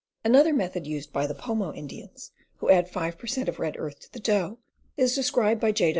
Another method, used by the Pomo Indians, who add 5 per cent, of red earth to the dough, is described by J.